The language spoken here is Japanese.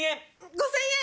５０００円！